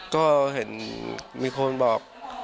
ก็เห็นมีคนบอก